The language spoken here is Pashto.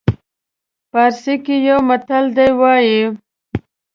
پارسي کې یو متل دی وایي.